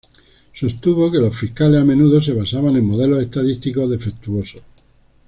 Sostuvo que los fiscales a menudo se basaban en modelos estadísticos defectuosos.